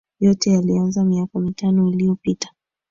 yote yalianza miaka mitano iliyopita